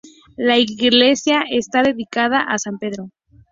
La iglesia está dedicada a san Pedro.